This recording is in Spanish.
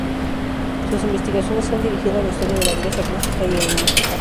Sus investigaciones se han dirigido a la historia de la Grecia clásica y helenística.